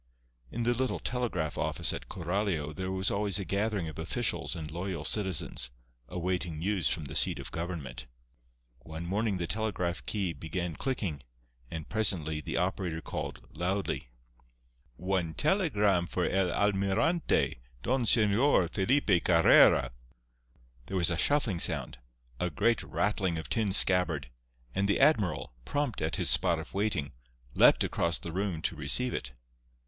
In the little telegraph office at Coralio there was always a gathering of officials and loyal citizens, awaiting news from the seat of government. One morning the telegraph key began clicking, and presently the operator called, loudly: "One telegram for el Almirante, Don Señor Felipe Carrera!" There was a shuffling sound, a great rattling of tin scabbard, and the admiral, prompt at his spot of waiting, leaped across the room to receive it.